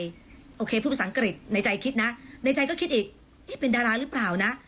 โอเคพูดภาษาอังกฤษในใจคิดนะในใจก็คิดอีกเป็นดาราหรือเปล่านะ